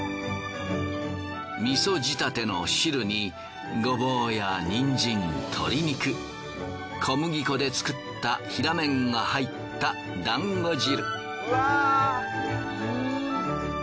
味噌仕立ての汁にゴボウやニンジン鶏肉小麦粉で作った平麺が入っただんご汁。わいい！